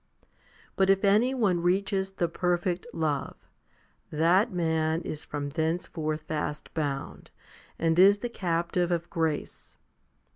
But if anyone reaches the perfect love, that man is from thenceforth fast bound, and is the captive of grace.